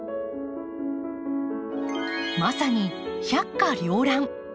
まさに百花繚乱。